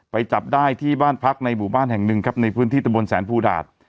จับได้ที่บ้านพักในหมู่บ้านแห่งหนึ่งครับในพื้นที่ตะบนแสนภูดาต